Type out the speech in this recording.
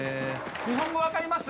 日本語分かります？